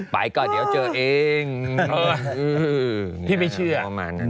ไปก็เดี๋ยวเจอเองพี่ไม่เชื่อประมาณนั้น